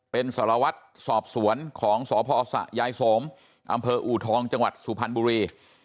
เป็นสารวัตรสอบสวนของสพสะยายสมอำเภออูทองจังหวัดสุพรรณบุรี